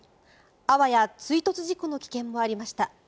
あわや追突事故の危険もありました。